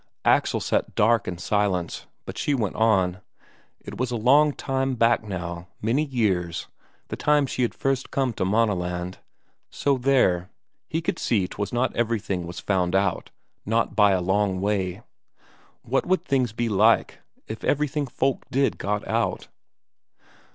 Axel sat dark and silent, but she went on. It was a long time back now, many years, the time she had first come to Maaneland. So, there, he could see 'twas not everything was found out, not by a long way! What would things be like if everything folk did got out?